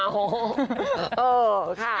เออค่ะ